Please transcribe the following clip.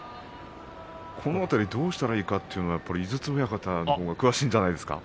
この辺りどうしたらいいのか井筒親方のほうが詳しいんじゃないですか。